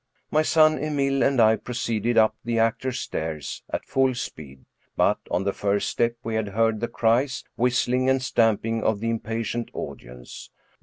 My son Emile and I proceeded up the actors' stairs at full speed, but on the first step we had heard the cries, whistling, and stamping of the impatient audience.